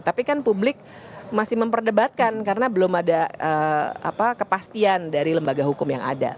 tapi kan publik masih memperdebatkan karena belum ada kepastian dari lembaga hukum yang ada